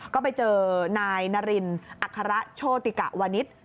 ก็ไปเจอนายนารินอัคระโชติกะวนิษฐ์